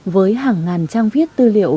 với hàng ngàn trang viết tư liệu